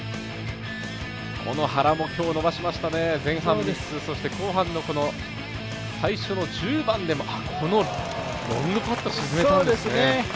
この原も今日伸ばしましたね、前半３つそして後半の最初の１０番でもこのロングパット、沈めたんですね